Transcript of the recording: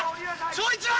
正一は！？